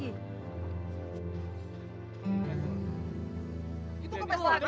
itu kepes lagi